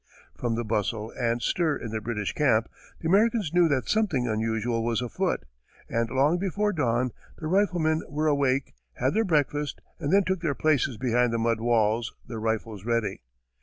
From the bustle and stir in the British camp, the Americans knew that something unusual was afoot, and long before dawn, the riflemen were awake, had their breakfast, and then took their places behind the mud walls, their rifles ready.